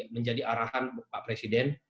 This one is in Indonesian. menjadi arahan pak presiden